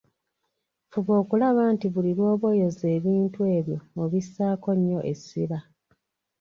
Fuba okulaba nti buli lwoba oyoza ebitundu ebyo obissaako nnyo essira.